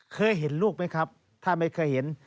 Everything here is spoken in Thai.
เคยเห็นลูกไหมครับถ้าไม่เคยเห็น